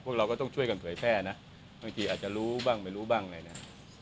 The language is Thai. เราก็ต้องช่วยกันเผยแพร่นะบางทีอาจจะรู้บ้างไม่รู้บ้างอะไรนะ